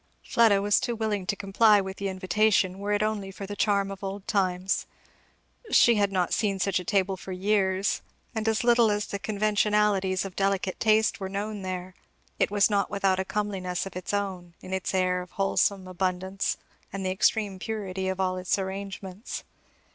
Fleda was too willing to comply with the invitation, were it only for the charm of old times. She had not seen such a table for years, and little as the conventionalities of delicate taste were known there, it was not without a comeliness of its own in its air of wholesome abundance and the extreme purity of all its arrangements.